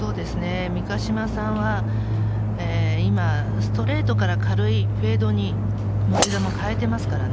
三ヶ島さんはストレートから軽いフェードに変えていますからね。